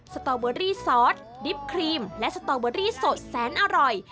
สตอเบอรี่ซอสดิบครีมและสตอเบอรี่สดแสนอร่อย